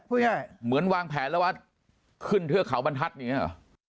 เหมือนวางแผนแล้วว่าขึ้นเทือกเขาบรรทัศน์อย่างนี้หรอ